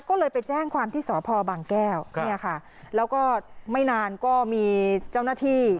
ก็เลยไปแจ้งความที่สพบางแก้วเนี่ยค่ะแล้วก็ไม่นานก็มีเจ้าหน้าที่